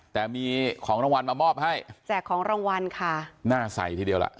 แต่มีของรางวัลมามอบให้แจกของรางวัลค่ะหน้าใส่ทีเดียวล่ะ